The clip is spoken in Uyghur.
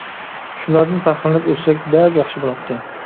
شۇلاردىن پەخىرلىنىپ ئۆتسەك بەك ياخشى بولاتتى!